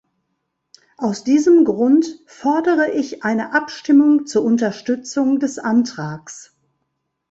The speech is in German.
Aus diesem Grund fordere ich eine Abstimmung zur Unterstützung des Antrags.